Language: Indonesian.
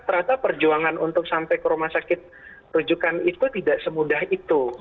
ternyata perjuangan untuk sampai ke rumah sakit rujukan itu tidak semudah itu